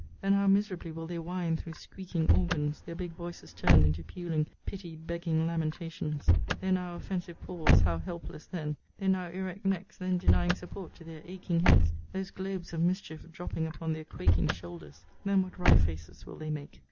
Then how miserably will they whine through squeaking organs; their big voices turned into puling pity begging lamentations! their now offensive paws, how helpless then! their now erect necks then denying support to their aching heads; those globes of mischief dropping upon their quaking shoulders. Then what wry faces will they make!